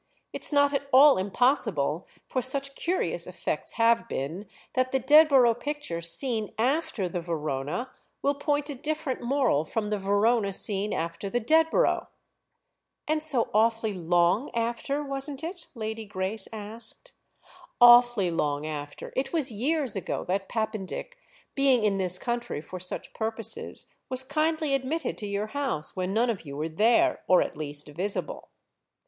"It's not at all impossible—for such curious effects have been!—that the Dedborough picture seen after the Verona will point a different moral from the Verona seen after the Dedborough." "And so awfully long after—wasn't it?" Lady Grace asked. "Awfully long after—it was years ago that Pappen dick, being in this country for such purposes, was kindly admitted to your house when none of you were there, or at least visible."